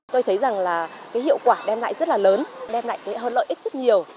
tôi thấy rằng hiệu quả đem lại rất là lớn đem lại hợp lợi ích rất nhiều